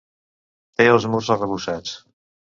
Té els murs arrebossats.